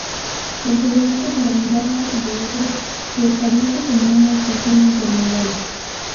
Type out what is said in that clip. El proyecto para Miranda de Ebro se establece como una estación intermodal.